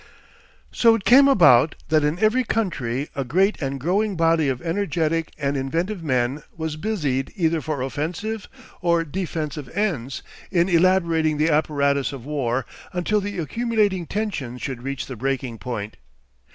So it came about that in every country a great and growing body of energetic and inventive men was busied either for offensive or defensive ends, in elaborating the apparatus of war, until the accumulating tensions should reach the breaking point.